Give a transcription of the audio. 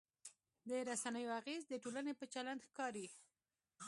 د رسنیو اغېز د ټولنې په چلند ښکاري.